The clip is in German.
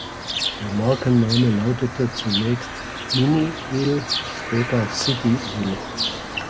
Der Markenname lautete zunächst "Mini-El", später "City-El".